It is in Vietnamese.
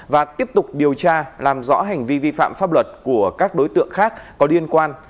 và tiếp tục điều tra làm rõ hành vi vi phạm pháp luật của các đối tượng khác có liên quan